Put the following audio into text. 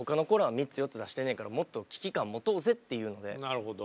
なるほど。